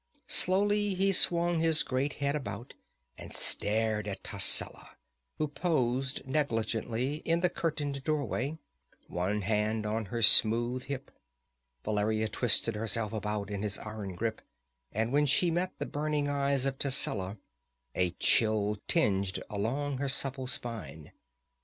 Slowly he swung his great head about and stared at Tascela who posed negligently in the curtained doorway, one hand on her smooth hip. Valeria twisted herself about in his iron grip, and when she met the burning eyes of Tascela, a chill tingled along her supple spine.